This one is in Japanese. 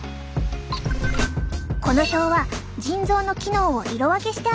この表は腎臓の機能を色分けして表しているんだ。